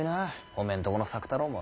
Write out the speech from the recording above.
おめえんとこの作太郎も。